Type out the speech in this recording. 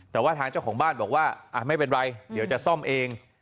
แต่ว่าทางเจ้าของบ้านบอกว่าไม่เป็นไรเดี๋ยวจะซ่อมเอง